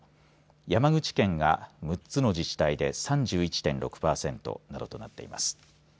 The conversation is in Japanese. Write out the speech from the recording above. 山口県が６つの自治体で３１．６パーセント。などとなっています。